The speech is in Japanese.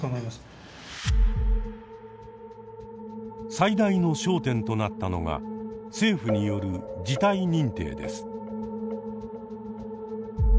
最大の焦点となったのが政府による「事態認定」です。